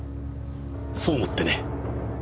そう思ってね。